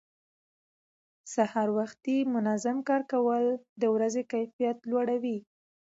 سهار وختي منظم کار کول د ورځې کیفیت لوړوي